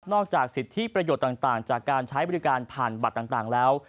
จากสิทธิประโยชน์ต่างจากการใช้บริการผ่านบัตรต่างแล้ว